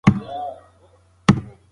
هیله ده چې دا جملې ستاسو خوښې شوې وي.